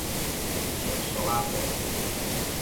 俗俗仔病